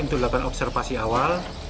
untuk lakukan observasi awal